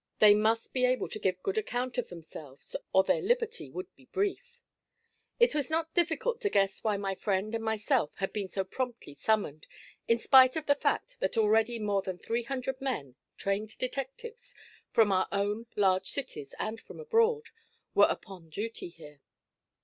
They must be able to give good account of themselves, or their liberty would be brief. It was not difficult to guess why my friend and myself had been so promptly summoned, in spite of the fact that already more than three hundred men, trained detectives, from our own large cities and from abroad, were upon duty here.